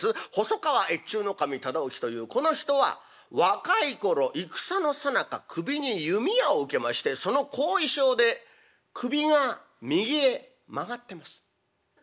細川越中守忠興というこの人は若い頃戦のさなか首に弓矢を受けましてその後遺症で首が右へ曲がってます。